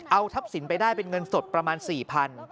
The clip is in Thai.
เอาทรัพย์สินไปได้เป็นเงินสดประมาณ๔๐๐บาท